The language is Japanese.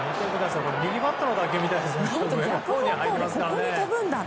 右バッターの打球みたいです。